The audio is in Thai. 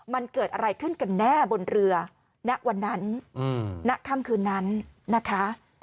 มันเกิดอะไรขึ้นกันแน่บนเรือณวันนั้นณค่ำคืนนั้นนะคะ